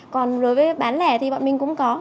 còn đối với bán lẻ thì bọn mình cũng có